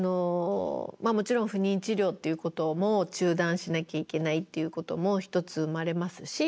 もちろん不妊治療っていうことも中断しなきゃいけないっていうことも一つ生まれますし